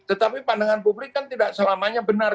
tetapi pandangan publik kan tidak selamanya benar